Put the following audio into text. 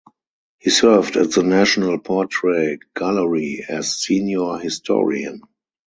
He served at the National Portrait Gallery as senior historian.